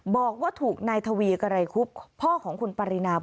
บอกว่าถูกนายทวีกรายคุบพ่อของคุณปารีนาด้วย